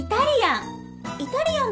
イタリアン。